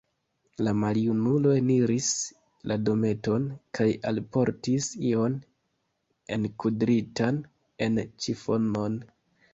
La maljunulo eniris la dometon kaj alportis ion enkudritan en ĉifonon.